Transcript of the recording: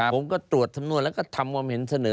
ผมก็ตรวจสำนวนแล้วก็ทำความเห็นเสนอ